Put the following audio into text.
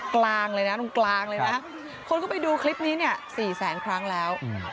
กลางเลยนะตรงกลางเลยนะคนก็ไปดูคลิปนี้เนี่ย๔แสนครั้งแล้ว